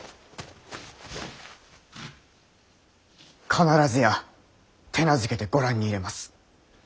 必ずや手なずけてご覧に入れます。